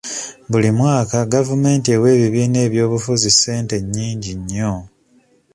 Buli mwaka gavumenti ewa ebibiina by'ebyobufuzi ssente nnyingi nnyo.